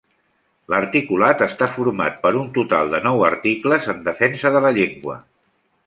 L'articulat està format per un total de nou articles en defensa de la llengua.